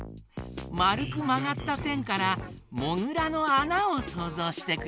まるくまがったせんから「モグラのあな」をそうぞうしてくれたよ。